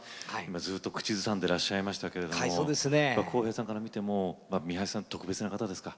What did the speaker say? ずっと口ずさんでらっしゃいましたけどこうへいさんから見ても三橋さんは特別な方ですか？